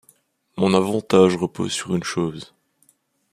Mon avantage repose sur une chose.